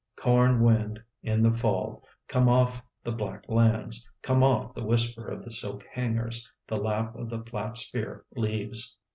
Corn wind in the fall, come off the black lands, come off the whisper of the silk hangers, the lap of the flat spear leaves.